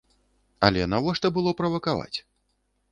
Але навошта было правакаваць?